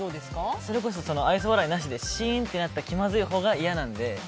それこそ、愛想笑いなしでシーンとなって気まずいほうが嫌なので。